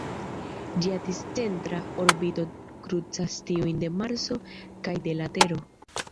Ĝia discentra orbito krucas tiujn de Marso kaj de la Tero.